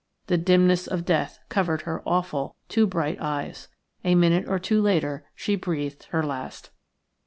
The dimness of death covered her awful, too bright eyes. A minute or two later she breathed her last.